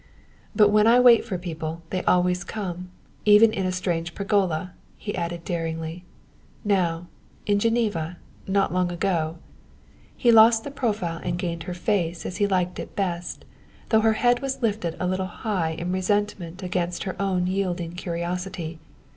"But when I wait for people they always come even in a strange pergola!" he added daringly. "Now, in Geneva, not long ago " He lost the profile and gained her face as he liked it best, though her head was lifted a little high in resentment against her own yielding curiosity.